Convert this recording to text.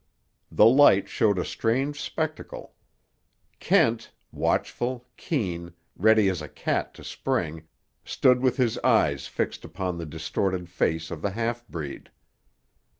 The light showed a strange spectacle. Kent, watchful, keen, ready as a cat to spring, stood with his eyes fixed upon the distorted face of the half breed.